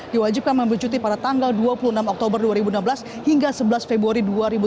diwajibkan mengambil cuti pada tanggal dua puluh enam oktober dua ribu enam belas hingga sebelas februari dua ribu tujuh belas